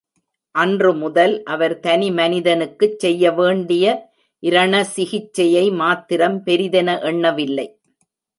அன்று முதல் அவர் தனி மனிதனுக்குச் செய்யவேண்டிய இரணசிகிச்சையை மாத்திரம் பெரிதென எண்ணவில்லை.